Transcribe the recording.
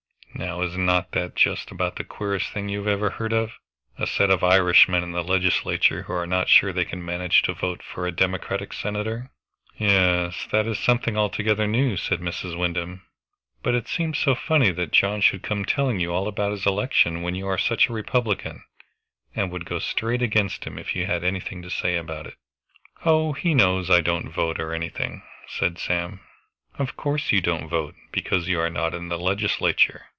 Now is not that just about the queerest thing you ever heard of? A set of Irishmen in the Legislature who are not sure they can manage to vote for a Democratic senator?" "Yes, that is something altogether new," said Mrs. Wyndham. "But it seems so funny that John should come telling you all about his election, when you are such a Republican, and would go straight against him if you had anything to say about it." "Oh, he knows I don't vote or anything," said Sam. "Of course you don't vote, because you are not in the Legislature.